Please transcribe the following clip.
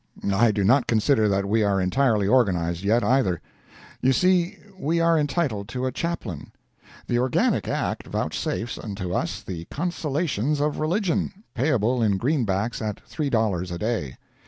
I do not consider that we are entirely organized yet, either. You see, we are entitled to a Chaplain. The Organic Act vouchsafes unto us the consolations of religion—payable in Greenbacks at three dollars a day.